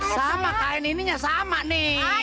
sama kain ininya sama nih